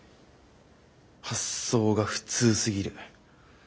発想が普通すぎる。